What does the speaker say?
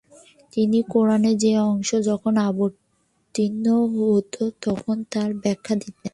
তিনি কুরআনের যে অংশ যখন অবতীর্ণ হতো তখনই তার ব্যাখ্যা দিতেন।